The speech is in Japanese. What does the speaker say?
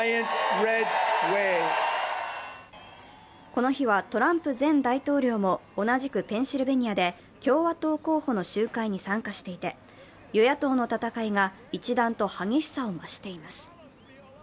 この日は、トランプ前大統領も同じくペンシルベニアで共和党候補の集会に参加していて、与野党の戦いが一段と激しさを増しています。